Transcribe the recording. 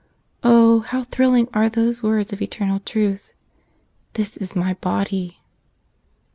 Oh, how thrilling are those words of Eternal Truth, "This is My Body!"